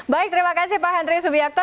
baik terima kasih pak henry subiakto